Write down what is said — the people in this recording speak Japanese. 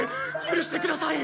許してください！